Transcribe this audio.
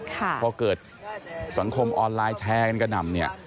พอเกิดสังคมออนไลน์แชร์กันกระหน่ำเนี่ย